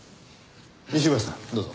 西村さんどうぞ。